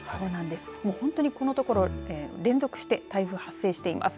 このところ連続して台風が発生しています。